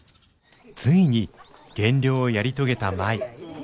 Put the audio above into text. ついに減量をやり遂げた舞。